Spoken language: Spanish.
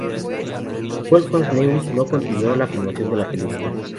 Wolfgang Neuss no continuó la filmación de la película.